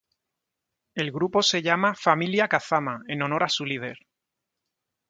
El grupo se llama "Familia Kazama", en honor a su líder.